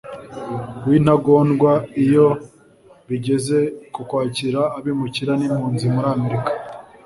w’intagondwa iyo bigeze ku kwakira abimukira n’impunzi muri Amerika